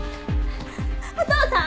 お父さん！